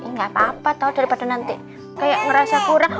nggak apa apa tau daripada nanti kayak merasa kurang